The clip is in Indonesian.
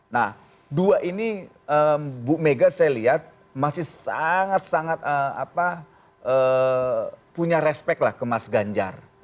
nah dua ini bu mega saya lihat masih sangat sangat punya respect lah ke mas ganjar